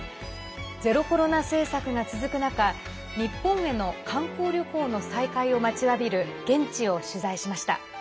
ゼロコロナ政策が続く中日本への観光旅行の再開を待ちわびる現地を取材しました。